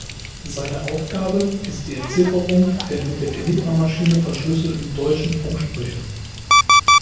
Seine Aufgabe ist die Entzifferung der mit der Enigma-Maschine verschlüsselten deutschen Funksprüche.